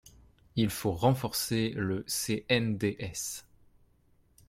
Il faut renforcer le CNDS.